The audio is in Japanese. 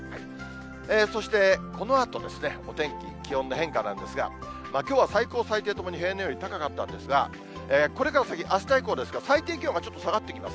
そして、このあとですね、お天気、気温の変化なんですが、きょうは最高、最低ともに平年より高かったんですが、これから先、あした以降ですが、最低気温はちょっと下がってきます。